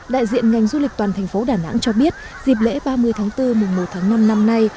đại diện ngành du lịch toàn thành phố đà nẵng cho biết dịp lễ ba mươi tháng bốn mùng một tháng năm năm nay